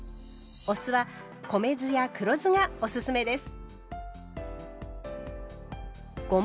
お酢は米酢や黒酢がおすすめです。